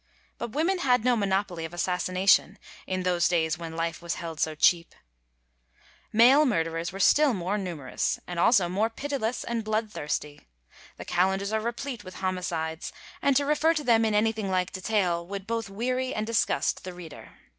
But women had no monopoly of assassination, in those days when life was held so cheap. Male murderers were still more numerous, and also more pitiless and bloodthirsty. The calendars are replete with homicides, and to refer to them in anything like detail would both weary and disgust the reader.